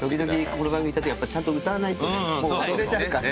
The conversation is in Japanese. この番組ちゃんと歌わないとね忘れちゃうから。